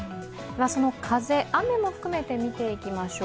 その風、雨も含めて見ていきましょう。